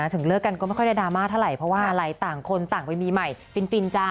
ถึงเลิกกันก็ไม่ค่อยได้ดราม่าเท่าไหร่เพราะว่าอะไรต่างคนต่างไปมีใหม่ฟินจ้า